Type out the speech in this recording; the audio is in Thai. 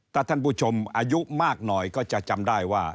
ถ้าท่านผู้ชมอายุมากหน่อยก็จะจำได้ว่า